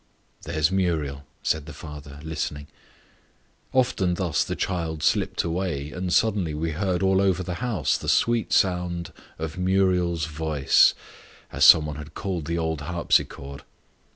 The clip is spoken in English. "There's Muriel," said the father, listening. Often thus the child slipped away, and suddenly we heard all over the house the sweet sounds of "Muriel's voice," as some one had called the old harpsichord.